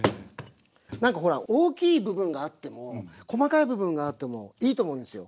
なんかほら大きい部分があっても細かい部分があってもいいと思うんですよ。